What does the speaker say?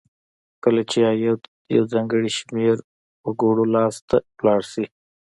کله چې عاید یو ځانګړي شمیر وګړو لاس ته لاړ شي.